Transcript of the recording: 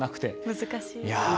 難しい。